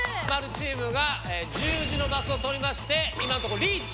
○チームが十字のマスを取りまして今のとこリーチ。